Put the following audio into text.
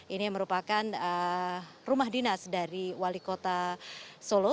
ini merupakan rumah dinas dari wali kota solo